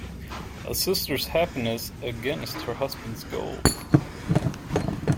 A sister’s happiness against her husband’s gold.